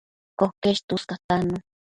Coquesh tuscatannu